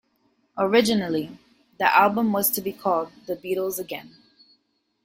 Originally, the album was to be called "The Beatles Again".